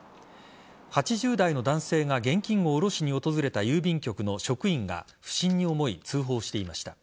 ８０代の男性が現金を下ろしに訪れた郵便局の職員が不審に思い、通報していました。